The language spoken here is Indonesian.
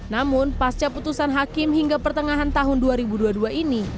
namun pasca putusan hakim hingga pertengahan tahun dua ribu dua puluh dua ini